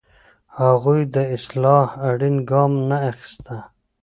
هغوی د اصلاح اړین ګام نه اخیسته.